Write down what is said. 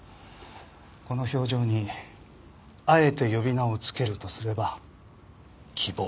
この表情にあえて呼び名をつけるとすれば希望。